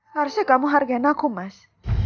harusnya kamu hargain aku mas